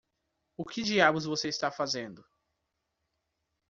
O que diabos você está fazendo?